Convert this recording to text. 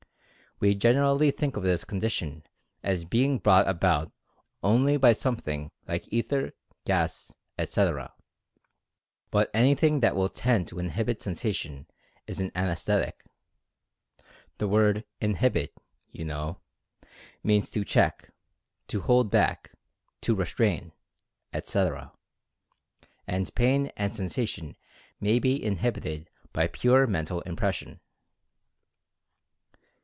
We generally think of this condition as being brought about only by something like ether, gas, etc. But anything that will tend to inhibit sensation is an "anaesthetic." The word "in hibit," you know, means "to check; to hold back; to restrain," etc. And pain and sensation may be in hibited by pure Mental Impression.